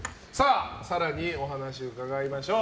更にお話伺いましょう。